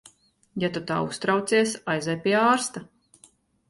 Ja tu tā uztraucies, aizej pie ārsta.